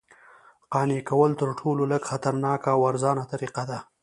قانع کول تر ټولو لږ خطرناکه او ارزانه طریقه ده